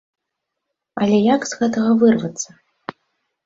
Але як з гэтага вырвацца?